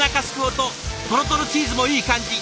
とろとろチーズもいい感じ！